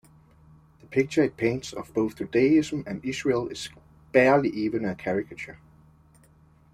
The picture it paints of both Judaism and Israel is barely even a caricature.